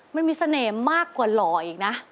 มันมีเสน่ห์มากกว่าหล่ออีกนะ